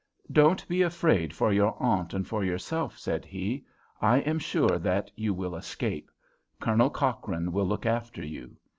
"Don't be afraid for your aunt and for yourself," said he. "I am sure that you will escape. Colonel Cochrane will look after you.